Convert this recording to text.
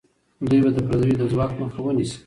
دوی به د پردیو ځواک مخه ونیسي.